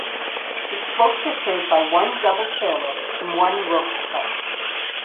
Its slopes are served by one double chairlift and one rope tow.